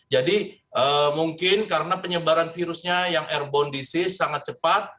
jadi mungkin karena penyebaran virusnya yang airborne disease sangat cepat